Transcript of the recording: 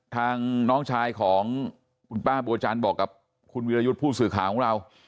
น้องชายของคุณป้าบัวจันทร์บอกกับคุณวิรยุทธ์ผู้สื่อข่าวของเรา